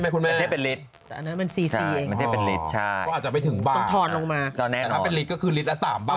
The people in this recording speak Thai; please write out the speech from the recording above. เขาเทียบเป็นลิตรใช่ไหมคุณแม่